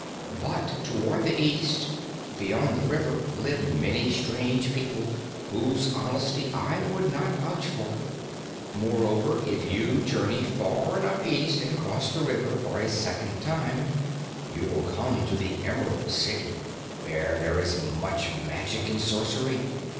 But toward the east, beyond the river, live many strange people whose honesty I would not vouch for. Moreover, if you journey far enough east and cross the river for a second time, you will come to the Emerald City, where there is much magic and sorcery.